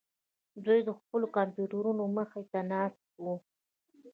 دوی د خپلو کمپیوټرونو مخې ته ناست وو